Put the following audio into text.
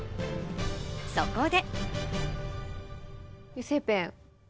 そこで。